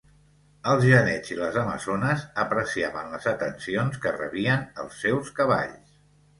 Els genets i les amazones apreciaven les atencions que rebien els seus cavalls.